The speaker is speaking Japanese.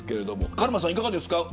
カルマさんいかがですか。